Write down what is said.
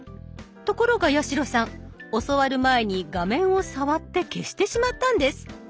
ところが八代さん教わる前に画面を触って消してしまったんです。